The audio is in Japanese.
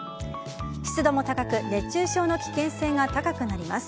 湿度も高く熱中症の危険性が高くなります。